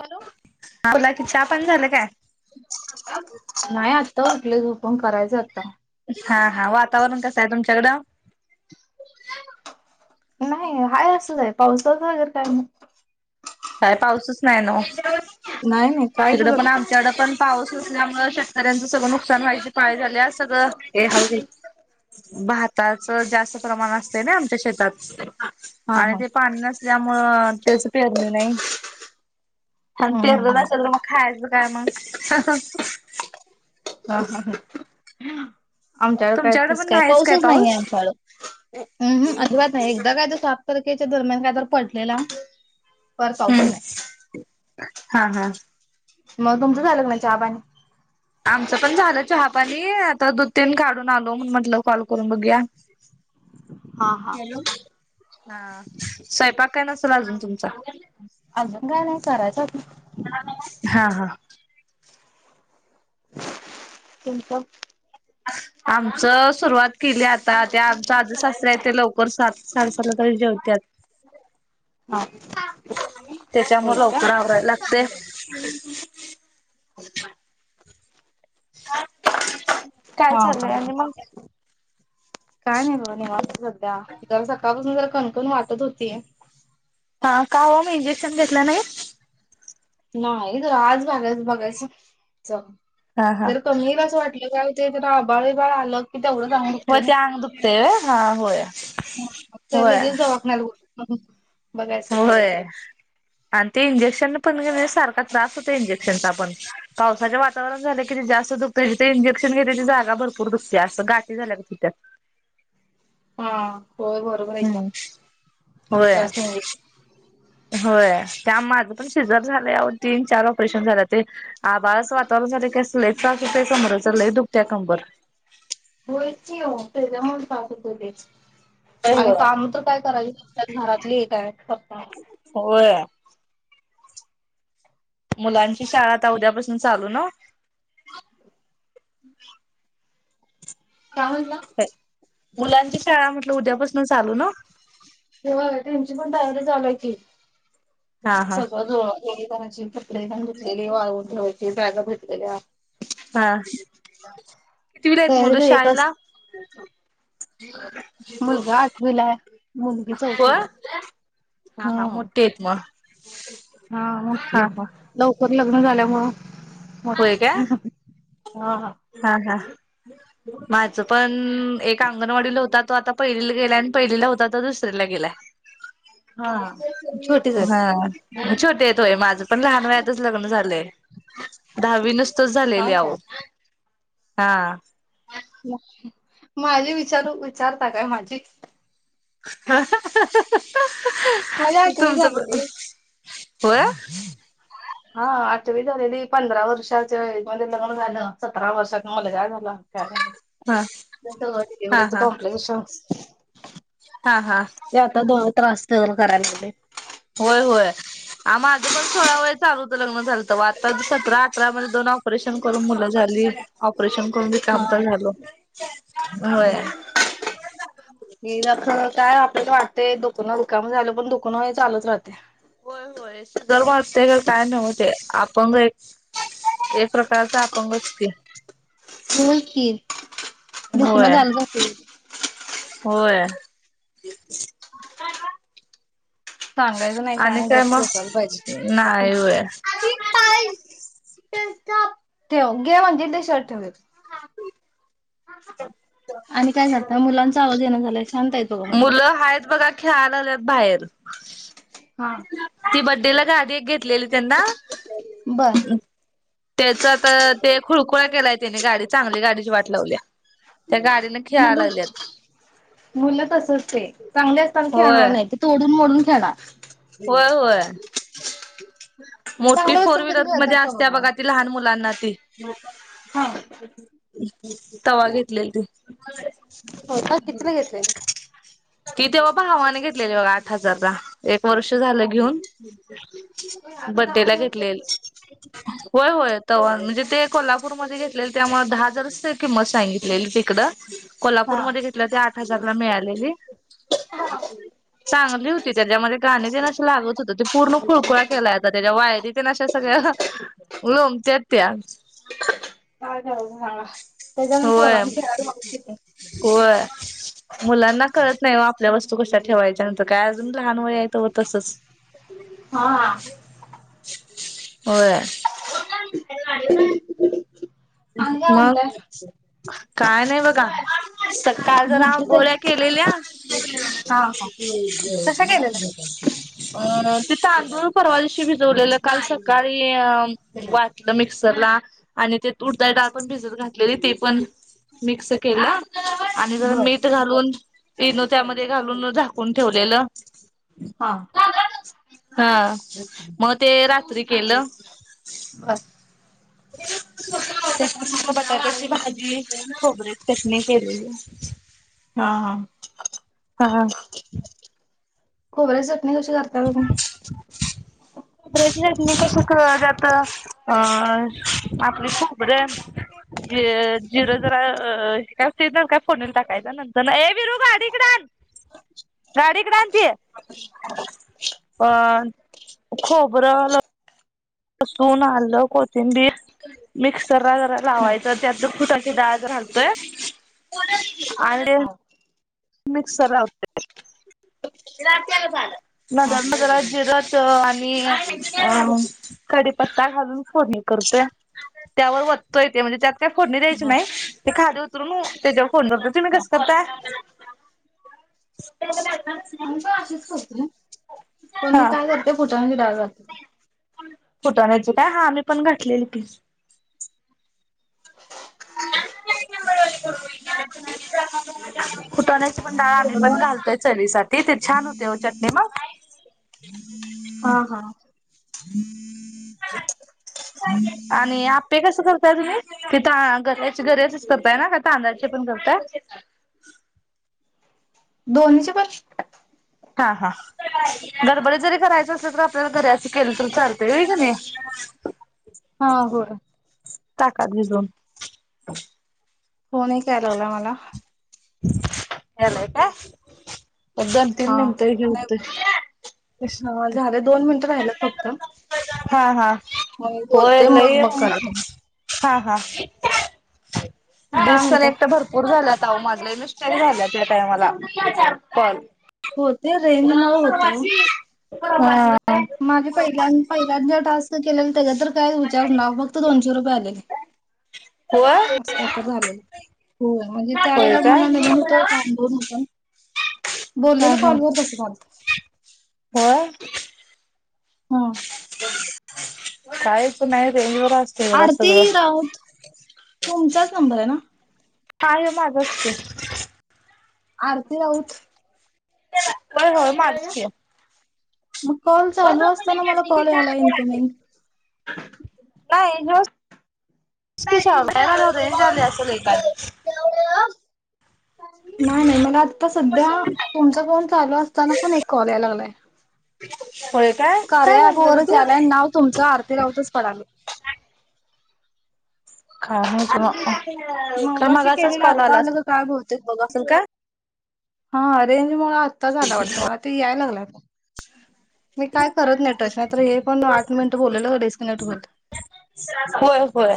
Hello. आपला कि चहा पाणी झालं काय नाही आत्ता उठले झोपुण करायचं आता हा हा वातावरण कस आहे तुमच्याकडं नाही आहेाय असंच आहे पावसाच वगर काय नाही काय पाऊसच नाही ना नाही नाही काय तिकडं पण सुचत आमच्याकड पण पाऊसच ल्यामुळे शेतकऱ्यांच सगळं नुकसान व्हायचे पाळी आल्या सगळं ए हळू गे भाताच जास्त प्रमाण असते ना आमच्या शेतात हा आणि हा ते पाणी नसल्यामुळं तेच पेरनी नाही आणि हम्म पेरल नसेल तर मग खायचं काय मग हा हा ह आमच्या काय तुमच्याकडे तस पण काय नाहीच पाऊसच नाहीये पाऊस? आमच्याकड अजिबात नाही एकदा काय तुस तरकेच्या दरम्यान काय तर पडलेला परत हम्म अपुसच नाही हा हा मग तुमचं झालंग नाही चहा पाणी आमचं पण झालं चहापाणी आता दुध तीन काढून आलो. म्हणुन म्हटलं कॉल करून बघूया. हा [inaudible] हा हॅलो हा स्वयंपाक काय नसल अजून तुमचा अजून काय नाय कराचं आता हा हा तुमचा आमच सुरुवात केली आता त्या आमच आज सासर आहेत ते लवकर सात साडे [unintelligible] जेवत्यात हा त्याच्यामुळ होय काय लवकर आवरायला लागतय. [inaudible] काय हा हा चालूय हा. आणि मंग काय नाही बघा निवांत सध्या ते जरां सकाळपासून जरां कणकण वाटत होती हा काय ओ म इंजेक्शन घेतलं नाही. नाही गं आज झाल्यास बघायच च हा हा जर कमी नाय अस वाटलं का त्येच्यात आभाळ बिभाळ आलग कि तेवढं अंग होय दुखतंय ना ते अंग दुखतय व्हय हा होय त्या होय लगेच दवाखान्यात बोलतं [inaudible] होय आणि ते इंजेक्शन पण घेण्यास सारखा त्रास होतंय इंजक्शनचा पावसाच वाटतावरण झाला की ते जास्त दुखतंय जिथं इंजक्शन घेतय ती जा जागा भरपूर दुसत असं गाठी झाल्या गत होत्यात. हा होय बरोबर आहे की हम्म होय जास्त इंजेक्शन होय. त्या माझं पण शिजर झालंय आहो तीन चार ऑपरेशन झाल्या ते आभळाच वातावरण झाल की अस लईचं [unintelligible] अजून का समोर चाललंय दुखत्या कंबर होय की आहो त्याजामुळच त्रास होतंय ते आणि काम तर काय कराविच लागतात घरातली हे काय पप्पा [inaudible] मुलांची शाळा आता उद्यापासून चालू न काय म्हणला? मुलांची शाळा म्हटलं उद्यापासन चालू न? ते व्हय त्यांची पण तयारी चालू हाय की हा हा सगळं जळ [unintelligible] करायची [unintelligible] धुतलेली वाळवून ठेवायची बॅगा धुतलेल्या हा कितवीला येत तयारी मुलं तर एक शाळेला असते [inaudible] मुलगा आठवीला आहे मुलगी होय चौथीला ये. हा हा हं मोठी आहेत मग हा हा मोठेयेत हा लवकर लग्न झाल्यामुंळ होय काय मोठे हा हा माझं पण अं एक अंगणवाडीला होता तो आता पहिलीला गेला आणि पहिलीला होता तो दुसरीला गेलाय. हा छोटीच आहेत. हा मुलं छोटे येत होय माझं पण लहान वयातच लग्न झालंय. दहावी नुसतच झालेली हा आहो काय हा माझी विचारू विचारता काय माझी माझी आठवी तुमचं पण झालेली. होय हा आठवी झालेली पंधरा वर्षाचे मधे लग्न झालं सतरा वर्षात मुलगा झा ला का हा [unintelligible] हा डिलिव्हच हा कॉम्प्लिकेशन अस हा हा त्रासतेल करायला लागलय होय होय. आ माझं पण सोळा वय चालूतं लग्न झालं तवा आता सतरा अठरामध्ये दोन ऑपरेशन करून मुलं झाली. ऑपरेशन करून झाल ह ह काय आपल्याला वाटते दुखण दुखण झाली पण दुखनं चालूच राहते होय होय सिझर व्हते काय नाही काय न होते आपण एक एक प्रकारचा अंपंगच की हो कि दुखण होय झालं जाते [inaudible] होय [inaudible] सांगायचं नाही आणि नाही काय गप्प मग सोसायला पाहिजे नाही कुणा व्हय का [unintelligible] ठेव घे म्हणजे ते शर्ट ठेव [inaudible] आणि काय झालंय ना मुलांचा आवाज येण झालाय शांत आहेत बघा मुलं हायच बघा खेळालाल्यात बाहेर- हा ती बर्थडे गाडी घेतली त्यांना बर त्याच ते तर [inaudible] खुळकुळा केलाय त्यानी गाडी चांगली गाडीची वाट लावलीया मुलं मुलं तसच आहे. चांगले असताना होय. खेळणार नाही ते तोडून मोडून खेळणार. होय व्हय मोठी चांगलं फोर असताना कधी व्हीलर खेळतात मध्ये का असते बघा ती लहान मुलांना ती हा [unintelligible] तवा घेतलेल ते हो का किती ला घेतलंय कि तेव्हा भावाने घेतलेली बघा आठ हजारला एक वर्ष झालं घेऊन- बर्थडे ला घेतलेलं - होय होय तव्हा म्हणजे ते कोल्हापूरमध्ये घेतलेले त्यामुळे दहा हजार किंमत सांगितलेली तिकडं हा कोल्हापूरमध्ये घेतलं ते आठ हजारला मिळालेली चांगली होती त्याच्यामध्ये गाणी पण असे लागत होतं ते पूर्ण खुळकुळा केला आता त्याच्या वायरी ते अशा सगळ्या [unintelligible] लोमत्याय त्या अ हा [inaudible] होय होय मुलांना कळत नाही वा आपल्या वस्तु कशा ठेवायच्यांत काय अजून लहान वय आहे त तसच हा [inaudible] होय आणि काय मग म्हणताय काय नाही बघा सकाळ जरा झोपलीच आहे गोळ्या केलेल्या [unintelligible] हा हा कशा केलेल्या अ ते तांदुळ परवा दिवशी भिजवलेलं काल सकाळी वाटलं मिक्सरला आणि ते तुरडाळ पण भिजत घातलेली ते पण मिक्स केलं [inaudible] आणि जर बर मीठ घालून ईनो त्यामध्ये घालून झाकून ठेवलेलं हा हा मग ते रात्री केलं बर [inaudible] त्या बटाट्याची भाजी खोबरे चटणी केलेली हा हा हा खोबरच तुम्ही कशे करता तुम्ही खोबऱ्याची चटणी कसं करतात तुम्ही आपली खोबरं ज जिरं जरा काय ते तर फोडणी त टाकायच नंतर ए विरु गाडी इकडं आण- गाडी इकडं आण ती अ खोबर लसूण आलं कोथिंबीर मिक्सर ला जरा लावायचं त्यात थोडशी डाळ तय आणि हा [inaudible] मिक्सर लावते नज मजार जिरच आणि अ कडीपत् का घालून फोनणी करतोय त्यावर वतोयेते म्हणजे त्यात काय फोडणी दयची बर नाही ते खादी उतरून त्याच्यावर फोडतो तुम्ही कसं आता आम्ही पण अशीच करतोय पण मी काय करते पुटडाग घते का फुटण्याच काय हा मी पण घातलेली ती खुटनेच ंडाळ आम्ही पण घालतोय चली सा ते छान होते हो चटणी मग हा हा हम्म आणि आपे कस करताय तुम्ही क त गरे असच करताय ना का तांदळाचे पण करता दोन्चे प हा हा गरबडी जरी करायच असल तर आपल्याला घरी असं केलं तर सारते ये क नाही हो हा होय टाका दि दोन होन कायला लागला मला यालाय का उदण हा तननंतै नाही होत हा झालं दोन मिनिटं राहिलं फक्त हा हा मग मी होय बोलते लय मग ये मग करा तुम्ही हा हा काय दिवस पण म्हणताय? एकट भरपूर झालंत आह माजलाही नुसतन झाल्या त्या टायमाला पल होते रेंज मुळ होते सर् ओ स माझे प पहि ज टास्क केले त्याच्या तर काय विचार ना फक्त दोनशे रुपयाे [inaudible] हो झाले हो म्हणजे त्या वेळेला मला नवीन होतं का दोन होत हा बोललेलं हा कॉलवर तसं कल होय हा काहीच नाही रे बर असत मला आरती सगळं राऊत तुमचाच नंबर आहे ना कााय मागचते आरती राऊत हो हो मारते मग कॉल चालू असताना मला कॉल याला इनकॉमिंग नाही झा असंलका नाही नाही मला आता सध्या तुमचा फोन चालू असताना पण एक कॉल यायला लागलाय [inaudible] होय काय खे काय अो भानगड वरच होती? याला नाव तुमचं आरती राऊतच पडाले का क का मगाशी केलेलं आता आलं ग काय बोलते बघा असेल काय? हा रेंज मु आत्ता झाला वाटतं मला ते याय लागलं मी काय करत नेटच नाहीत हे पण आठ मिनिटं बोललेलं डिस्कनेक्ट होोलल होय होय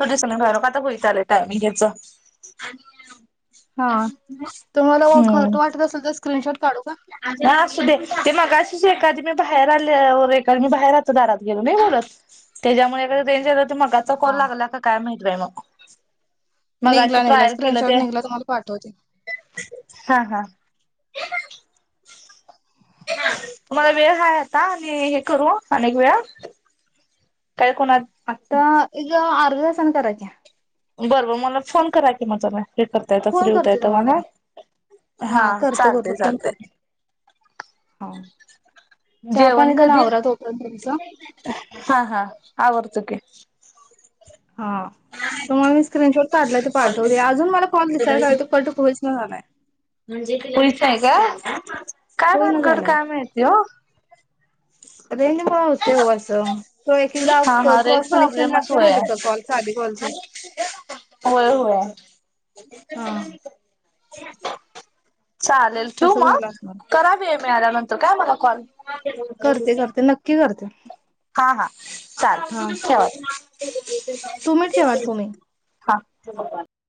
तू दिस ना कायल आता पताले टायमिंगेचा हा तुम्हाला खर त वाटत असेल तर स्क्रीनशॉट काढू का ह असू दे ते मग सुझ एखादी मी बाहेर आल्या मी बाहेर आहतो दारात गेलो बोलत त्याच्यामुळे मगाचा हा कॉल लागला का काय माहितय मग मग अशी निघला निघला ट्रायल केलं स्क्रीनशॉट ते निघला तुम्हाला पाठवते हा हा तुम्हाला वेळ हाय आता आणि हे करू अनेक वेळा काय कोणा आता एकग अर्धसान कराक्या बरं बर मला फोन करा कि म तला हे करता येत फ्री फोन होत करतो येत तुम्हाला म्हणा मी हा करतो करतो चालते फोन चालते [inaudible] करतो हा चहा जेवण पाणी तर कधी आवरा तोपर्यंत तुमचं हा हा आवडतं की हा तु मला मी स्क्रीनशॉट काढलाय ते पाठवते अजून मला कॉल दिसायला का कट क म्हणजे पुचय का काय होई ना भानगड झालाय कामते हो रेंज प होते हो असं त एक एकदा हा हा रेंज क्रॉस कनेक्शन प्रॉब्लेमच लागते होय मत तर कॉलचे आधी कॉलचे होय होय हा चालेल ठेव तसं मग झालं असणार करावी आहे मिळाल्यानंतर काय मला कॉल करते करते नक्की करते हा हा चाल हा ठवा तुम्ही ठेवा तुम्ही हा